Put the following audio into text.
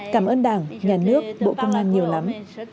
cảm ơn đảng nhà nước bộ công an nhiều lắm